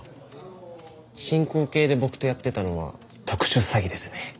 進行形で僕とやってたのは特殊詐欺ですね。